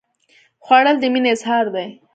خوړل د مینې اظهار دی